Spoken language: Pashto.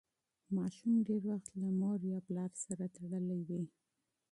ماشوم ډېر وخت له مور یا پلار سره تړلی وي.